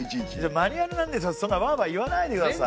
マニュアルなんですからそんなわわ言わないでください。